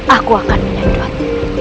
aku akan menyedot